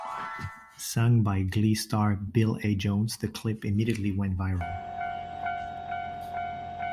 Sung by "Glee" star Bill A. Jones the clip immediately went viral.